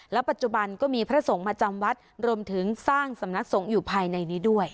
ปัจจุบันก็มีพระสงฆ์มาจำวัดรวมถึงสร้างสำนักสงฆ์อยู่ภายในนี้ด้วย